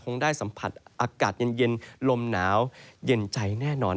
ได้สัมผัสอากาศเย็นลมหนาวเย็นใจแน่นอน